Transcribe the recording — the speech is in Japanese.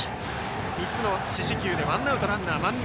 ３つの四死球でワンアウトランナー、満塁。